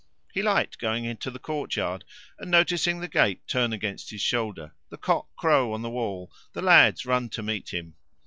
He liked going into the courtyard, and noticing the gate turn against his shoulder, the cock crow on the wall, the lads run to meet him.